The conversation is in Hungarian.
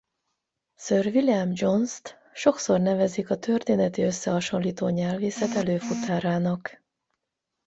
Sir William Jonest sokszor nevezik a történeti-összehasonlító nyelvészet előfutárának.